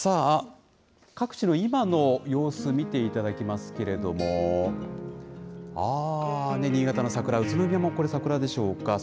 各地の今の様子、見ていただきますけれども、あー、新潟の桜、宇都宮もこれ、桜でしょうか。